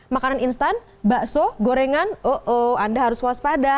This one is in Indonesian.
makanan instan bakso gorengan oh anda harus waspada